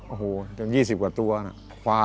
โอ้โหจน๒๐กว่าตัวนะ